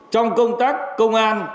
trong công tác công an